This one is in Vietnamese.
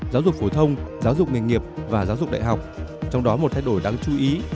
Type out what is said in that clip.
giáo dục phổ thông giáo dục nghề nghiệp và giáo dục đại học trong đó một thay đổi đáng chú ý